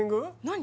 何？